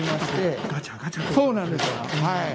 そうなんです。